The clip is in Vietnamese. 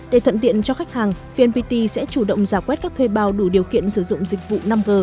để thuận tiện cho khách hàng vnpt sẽ chủ động giả quét các thuê bào đủ điều kiện sử dụng dịch vụ năm g